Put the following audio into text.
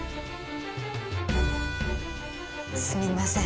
すみません。